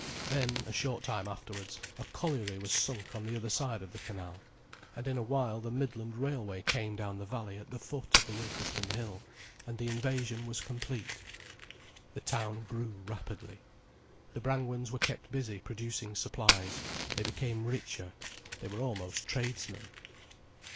Then, a short time afterwards, a colliery was sunk on the other side of the canal, and in a while the Midland Railway came down the valley at the foot of the Ilkeston hill, and the invasion was complete. The town grew rapidly, the Brangwens were kept busy producing supplies, they became richer, they were almost tradesmen.